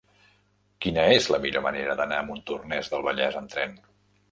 Quina és la millor manera d'anar a Montornès del Vallès amb tren?